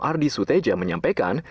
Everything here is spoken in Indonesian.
ardi suteja menyampaikan